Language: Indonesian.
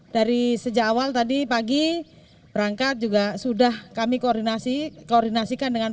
dari sejak awal tadi pagi berangkat juga sudah kami koordinasikan dengan